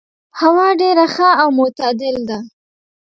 هوا ډېر ښه او معتدل ده.